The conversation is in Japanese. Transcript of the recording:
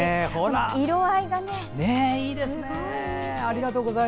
色合いがねすごいいいですね。